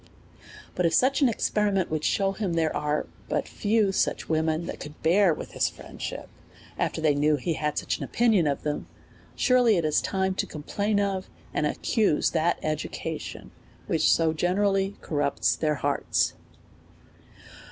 But if such an experiment would shew him that there are but few such women that could bear with his friendship, after they knew he had such an opini on of them, surely it is time to complain of, and ac cuse that education, which so generally corrupts their hearts.